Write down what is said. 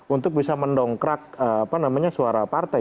untuk bisa mendongkrak suara partai